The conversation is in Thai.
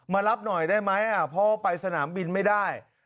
มารับหน่อยได้ไหมเพราะว่าไปสนามบินไม่ได้